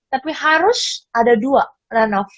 tapi harus ada dua ranaf